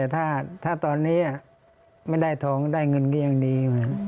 แต่ถ้าตอนนี้ไม่ได้ทองได้เงินก็ยังดี